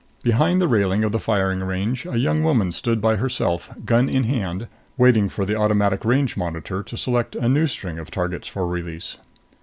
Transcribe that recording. Behind the railing of the firing range a young woman stood by herself, gun in hand, waiting for the automatic range monitor to select a new string of targets for release.